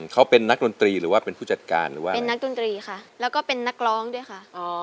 เขาเป็นนักดนตรีหรือว่าเป็นผู้จัดการหรือว่าเป็นนักดนตรีค่ะแล้วก็เป็นนักร้องด้วยค่ะ